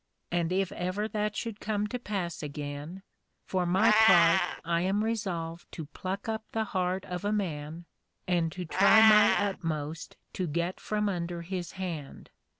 and if ever that should come to pass again, for my part I am resolved to pluck up the heart of a man, and to try my utmost to get from under his hand.